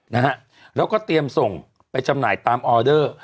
นะฮะแล้วก็เตรียมส่งไปจำหน่ายตามออเดอร์